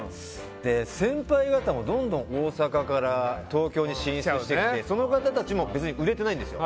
先輩方もどんどん大阪から東京に進出しててその方たちも別に売れてないんですよ。